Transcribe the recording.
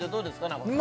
中尾さん